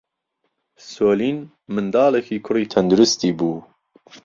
سۆلین منداڵێکی کوڕی تەندروستی بوو.